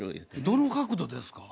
どの角度ですか？